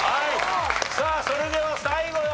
さあそれでは最後。